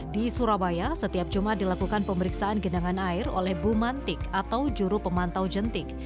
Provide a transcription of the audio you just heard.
di surabaya setiap jumat dilakukan pemeriksaan genangan air oleh bumantik atau juru pemantau jentik